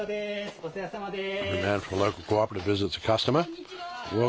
お世話さまです。